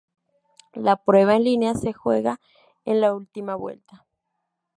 La prueba en línea se juega en la última vuelta.